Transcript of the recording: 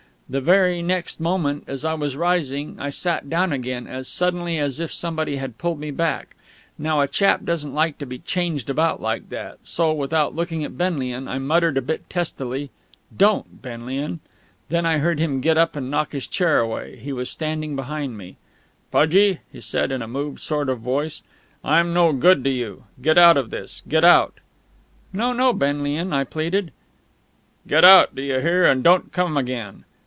The very next moment, as I was rising, I sat down again as suddenly as if somebody had pulled me back. Now a chap doesn't like to be changed about like that; so, without looking at Benlian, I muttered a bit testily, "Don't, Benlian!" Then I heard him get up and knock his chair away. He was standing behind me. "Pudgie," he said, in a moved sort of voice, "I'm no good to you. Get out of this. Get out " "No, no, Benlian!" I pleaded. "Get out, do you hear, and don't come again!